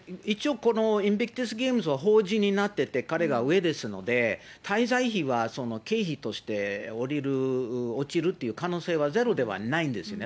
一応このインビクタス・ゲームは法人になっていて、彼はですので、滞在費は経費として下りる、落ちるっていう可能性はゼロではないんですよね。